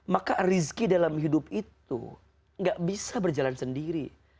maka rizki dalam hidup itu gak bisa berjalan sendiri